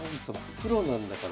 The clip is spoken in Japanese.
プロなんだから。